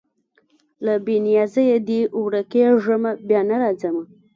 له بې نیازیه دي ورکېږمه بیا نه راځمه